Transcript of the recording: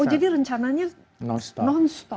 oh jadi rencananya non stop